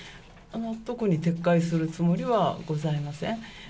特に撤回するつもりはございません。